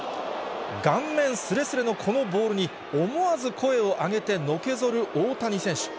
顔面すれすれのこのボールに、思わず声を上げてのけぞる大谷選手。